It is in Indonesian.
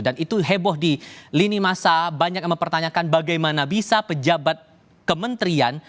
dan itu heboh di lini masa banyak yang mempertanyakan bagaimana bisa pejabat kementerian